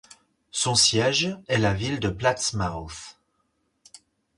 Son siège est la ville de Plattsmouth.